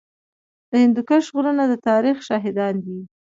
د هندوکش غرونه د تاریخ شاهدان دي